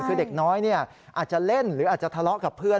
คือเด็กน้อยอาจจะเล่นหรืออาจจะทะเลาะกับเพื่อน